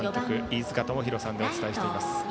飯塚智広さんでお伝えしています。